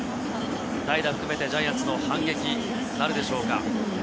代打含めてジャイアンツの反撃なるでしょうか。